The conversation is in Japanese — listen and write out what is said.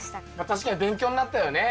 確かに勉強になったよね。